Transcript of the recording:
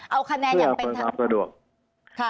เอาคะแนนอย่างเป็นทางสะดวก